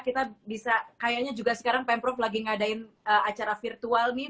kita bisa kayaknya juga sekarang pemprov lagi ngadain acara virtual nih